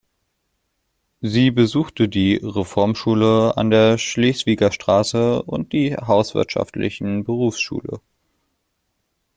Sie besuchte die Reformschule an der Schleswiger Straße und die hauswirtschaftlichen Berufsschule.